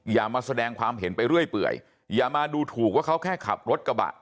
อย่ามาแสดงความเห็นไปเรื่อยเปื่อยอย่ามาดูถูกว่าเขาแค่ขับรถกระบะ